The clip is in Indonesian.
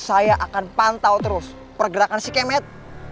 saya akan pantau terus pergerakan si kemet